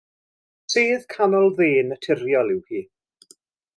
Sedd canol dde naturiol yw hi.